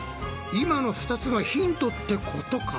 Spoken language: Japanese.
今の２つがヒントってことか？